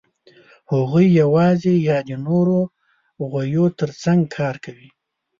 هغوی یواځې یا د نورو غویو تر څنګ کار کوي.